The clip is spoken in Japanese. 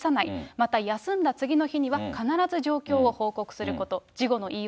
また休んだ次の日には、必ず状況を報告すること。